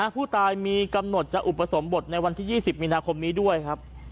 ผู้ตายมีกำหนดจะอุปสมบทในวันที่๒๐มีนาคมนี้ด้วยครับ